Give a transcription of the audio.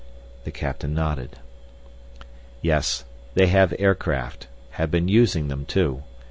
The captain nodded. "Yes, they have aircraft, have been using them, too.